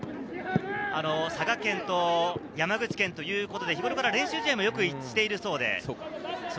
佐賀県と山口県ということで、普段から練習試合もよくしているそうです。